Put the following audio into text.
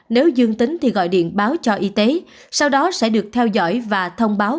nếu dương tính thì gọi điện báo cho y tế sau đó sẽ được theo dõi và thông báo